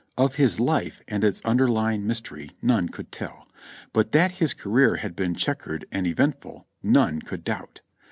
Of his life and its under lying mystery none could tell ; but that his career had been checquered and eventful, none could doubt.